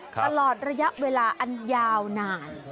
ตลอดระยะเวลาอันยาวนาน